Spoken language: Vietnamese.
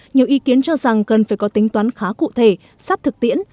nhiều ý kiến cho rằng cần phải có tính toán khá cụ thể sát thực tiễn